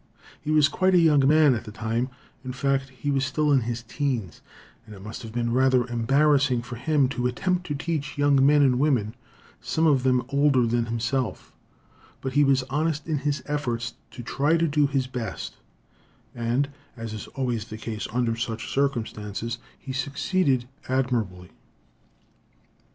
He was quite a young man at that time, in fact, he was still in his teens, and it must have been rather embarrassing for him to attempt to teach young men and women, some of them older than himself; but he was honest in his efforts to try to do his best, and, as is always the case under such circumstances, he succeeded admirably.